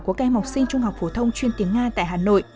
của các em học sinh trung học phổ thông chuyên tiếng nga tại hà nội